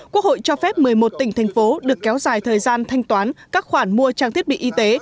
quốc hội cho phép một mươi một tỉnh thành phố được kéo dài thời gian thanh toán các khoản mua trang thiết bị y tế